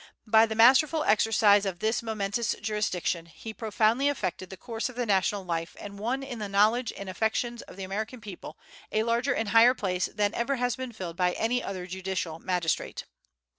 By the masterful exercise of this momentous jurisdiction, he profoundly affected the course of the national life and won in the knowledge and affections of the American people a larger and higher place than ever has been filled by any other judicial magistrate.